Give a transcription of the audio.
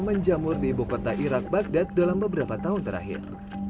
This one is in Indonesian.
menjamur di ibu kota irak bagdad dalam beberapa tahun terakhir